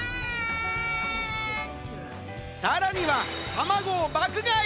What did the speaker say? さらには、たまごを爆買い！